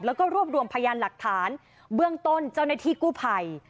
แล้วก็รวบรวมพยานหลักฐานเบื้องต้นเจ้าหน้าที่กู้ภัย